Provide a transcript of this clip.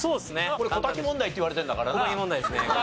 これ小瀧問題って言われてるんだからな。